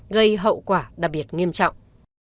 gây hậu quả đặc biệt nghiêm trọng